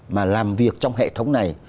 mà làm việc trong hệ thống này